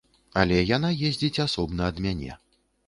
Але яна ездзіць асобна ад мяне.